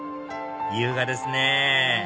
優雅ですね